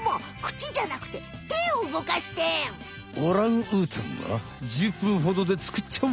オランウータンは１０ぷんほどで作っちゃう！